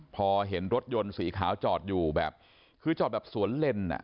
พอเห็นรถยนต์สีขาวจอดอยู่แบบคือจอดแบบสวนเลนอ่ะ